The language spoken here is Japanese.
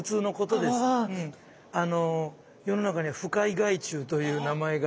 あの世の中には不快害虫という名前がありまして。